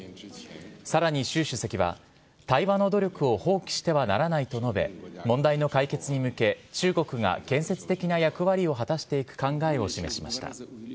さらに習主席は、対話の努力を放棄してはならないと述べ、問題の解決に向け、中国が建設的な役割を果たしていく考えを示しました